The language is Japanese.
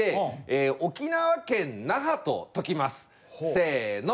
せの！